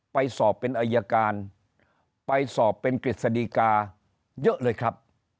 ไปสอบเป็นอายการไปสอบเป็นกฤษฎีกาเยอะเลยครับ